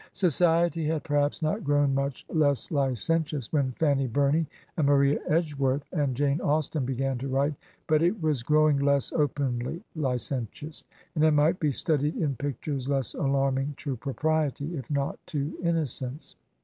Society had perhaps not grown much less licentious when Fanny Bumey and Maria Edge worth and Jane Austen began to write, but it was grow ing less openly licentious, and it might be studied in pictures less alarming to propriety, if not to innocence.